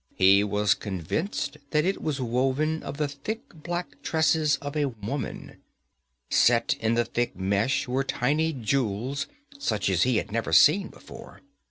He was convinced that it was woven of the thick black tresses of a woman. Set in the thick mesh were tiny jewels such as he had never seen before.